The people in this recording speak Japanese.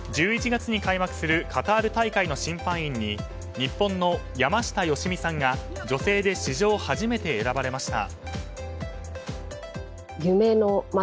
１１月に開幕するカタール大会の審判員に日本の山下良美さんが女性で史上初めて選ばれました。